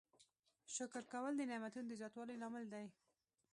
شکر کول د نعمتونو د زیاتوالي لامل دی.